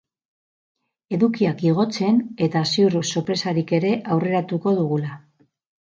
Edukiak igotzen, eta ziur sorpresarik ere aurreratuko dugula.